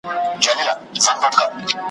څوک دی چي دلته زموږ قاتل نه دی `